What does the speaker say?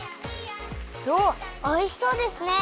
おいしそうですね！